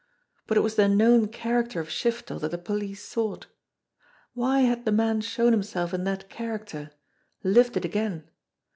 But it was the known character of Shiftel that the police sought. Why had the man shown himself in that character, lived it again?